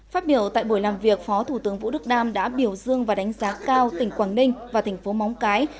phát biểu tại buổi làm việc phó thủ tướng vũ đức đam đã biểu dương và đánh giá cao tỉnh quảng ninh và thành phố móng cái